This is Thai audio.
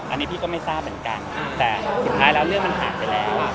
อันนี้พี่ก็ไม่ทราบเหมือนกันแต่สุดท้ายแล้วเรื่องมันหายไปแล้ว